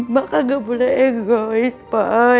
maka gak boleh egois boy